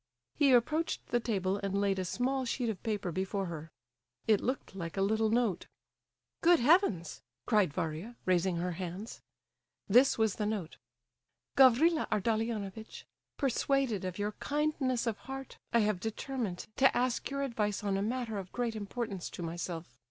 He approached the table and laid a small sheet of paper before her. It looked like a little note. "Good heavens!" cried Varia, raising her hands. This was the note: "GAVRILA ARDOLIONOVITCH,—persuaded of your kindness of heart, I have determined to ask your advice on a matter of great importance to myself.